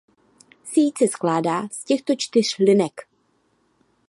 Síť se skládá z těchto čtyř linek.